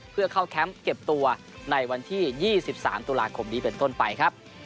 เพื่อเข้าแคมป์เก็บตัวในวันที่๒๓ตุลาคมนี้เป็นต้นไปครับ